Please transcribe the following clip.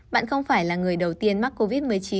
bạn không phải là người đầu tiên mắc covid một mươi chín